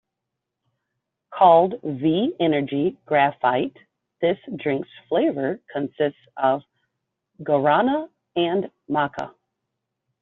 Called V Energy Graphite, this drink's flavour consists of guarana and maca.